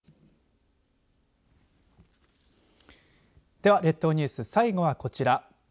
では列島ニュース最後はこちら。